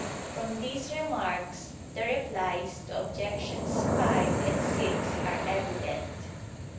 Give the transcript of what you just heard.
From these remarks the replies to Objections 5 and 6 are evident.